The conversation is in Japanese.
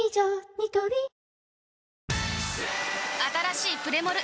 ニトリあたらしいプレモル！